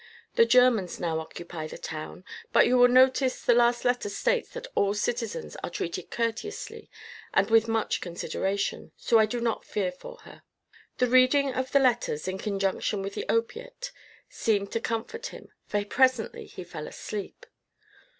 The Germans now occupy the town, but you will notice the last letter states that all citizens are treated courteously and with much consideration, so I do not fear for her." The reading of the letters, in conjunction with the opiate, seemed to comfort him, for presently he fell asleep.